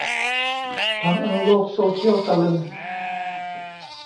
ทำเอาโลกโซเชียลตะลึง